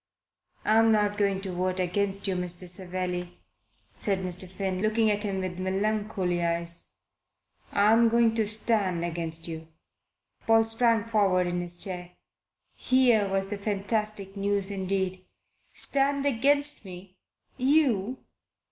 "I am not going to vote against you, Mr. Savelli," said Mr. Finn, looking at him with melancholy eyes. "I am going to stand against you." Paul sprang forward in his chair. Here was fantastic news indeed! "Stand against me? You?